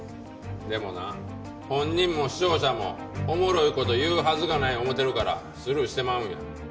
でもな本人も視聴者もおもろい事言うはずがない思うてるからスルーしてまうんや。